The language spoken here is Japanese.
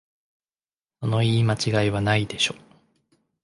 その言い間違いはないでしょ